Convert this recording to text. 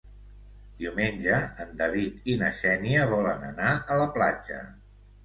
Diumenge en David i na Xènia volen anar a la platja.